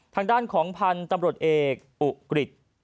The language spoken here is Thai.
ทางด้านของพันธุ์ตำรวจเอกอุกฤษ